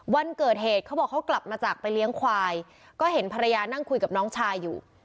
วันเกิดเหตุเขาบอกเขากลับมาจากไปเลี้ยงควายก็เห็นภรรยานั่งคุยกับน้องชายอยู่